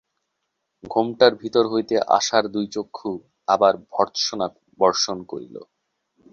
ঘোমটার ভিতর হইতে আশার দুই চক্ষু আবার ভর্ৎসনা বর্ষণ করিল।